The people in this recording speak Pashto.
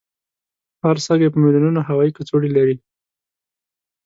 هر سږی په میلونونو هوایي کڅوړې لري.